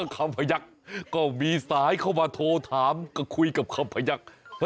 คำพยักษ์ก็มีสายเข้ามาโทรถามก็คุยกับคำพยักษ์